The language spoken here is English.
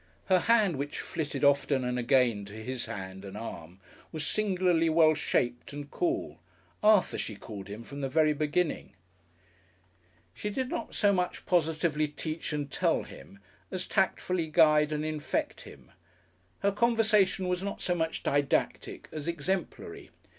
Her hand, which flitted often and again to his hand and arm, was singularly well shaped and cool. "Arthur," she called him from the very beginning. She did not so much positively teach and tell him as tactfully guide and infect him. Her conversation was not so much didactic as exemplary.